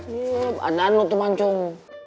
ya pandangan lo tuh mancung